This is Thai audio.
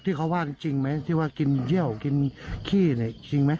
ที่เขาว่าจริงไหมที่ว่ากินเยี่ยวกินขี้เนี่ยจริงไหม